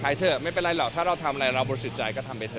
เถอะไม่เป็นไรหรอกถ้าเราทำอะไรเราบริสุทธิ์ใจก็ทำไปเถ